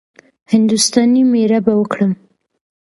هـنـدوستانی ميړه به وکړم.